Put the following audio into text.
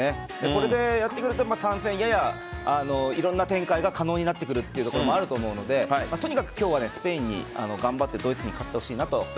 これでやってくれると３戦、いろんな展開が可能になってくるところもあると思うのでとにかく今日はスペインに頑張ってドイツに勝ってほしいなと。